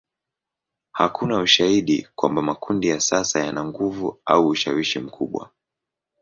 Hakuna ushahidi kwamba makundi ya sasa yana nguvu au ushawishi mkubwa.